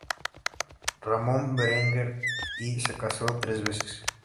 Ramón Berenguer I se casó tres veces.